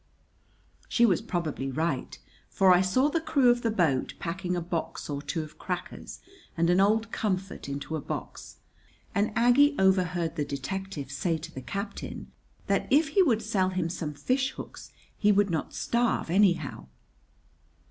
She was probably right, for I saw the crew of the boat packing a box or two of crackers and an old comfort into a box; and Aggie overheard the detective say to the captain that if he would sell him some fishhooks he would not starve anyhow.